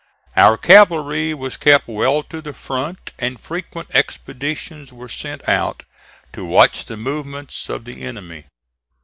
Our cavalry was kept well to the front and frequent expeditions were sent out to watch the movements of the enemy.